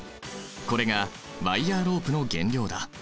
これがワイヤーロープの原料だ。